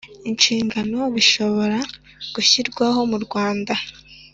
inshingano bishobora gushyirwaho mu rwanda